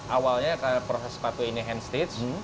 awalnya proses sepatu ini hand stitch